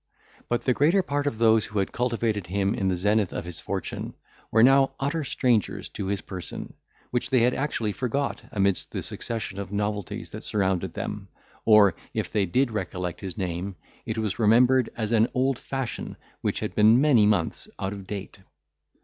But the greater part of those who had cultivated him in the zenith of his fortune were now utter strangers to his person, which they had actually forgot, amidst the succession of novelties that surrounded them; or, if they did recollect his name, it was remembered as an old fashion which had been many months out of date.